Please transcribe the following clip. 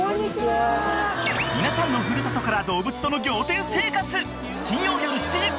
［皆さんのふるさとから動物との仰天生活！］